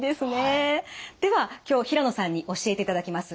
では今日平野さんに教えていただきます